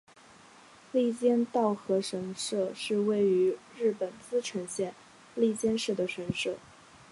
笠间稻荷神社是位于日本茨城县笠间市的神社。